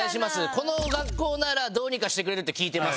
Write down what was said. この学校ならどうにかしてくれるって聞いてます